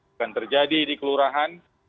akan terjadi di kelurahan